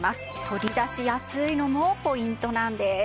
取り出しやすいのもポイントなんです。